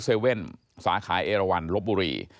สาขาเอลวันลบบุรี